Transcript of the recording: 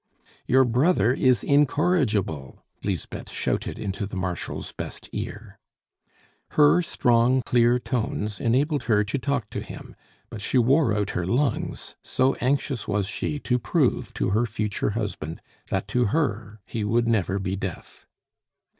"Your brother is incorrigible!" Lisbeth shouted into the Marshal's best ear. Her strong, clear tones enabled her to talk to him, but she wore out her lungs, so anxious was she to prove to her future husband that to her he would never be deaf.